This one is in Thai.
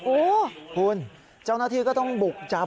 โอ้โหคุณเจ้าหน้าที่ก็ต้องบุกจับ